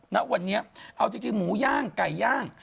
ณวันนี้เอาจริงหมูย่างไก่ย่าง